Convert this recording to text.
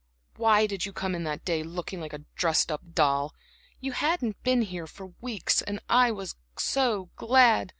Why did you come in that day looking like a dressed up doll? You hadn't been here for weeks, and I was glad.